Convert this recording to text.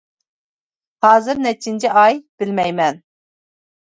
— ھازىر نەچچىنچى ئاي؟ — بىلمەيمەن.